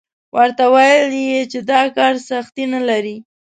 ورته ویل یې چې دا کار سختي نه لري.